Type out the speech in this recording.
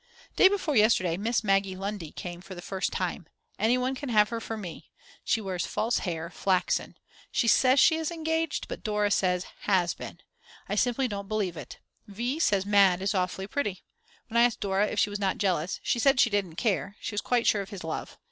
Day before yesterday Miss Maggie Lundy came for the first time; anybody can have her for me. She wears false hair, flaxen. She says she is engaged, but Dora says, has been. I simply don't believe it. V. says Mad. is awfully pretty. When I asked Dora if she was not jealous, she said she didn't care, she was quite sure of his love.